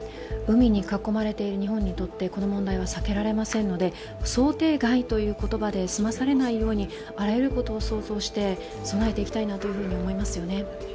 海に囲まれている日本にとってこの問題は避けられませんので想定外という言葉で済まされないようにあらゆることを想像して備えていきたいなと思いますよね。